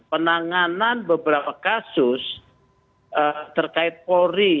penanganan beberapa kasus terkait polri